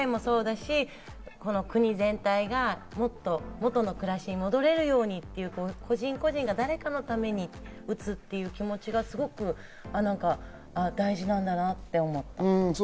帰りたいもそうだし、国全体が元の暮らしに戻れるように個人個人が誰かのために打つという気持ちがすごく大事なんだなと思った。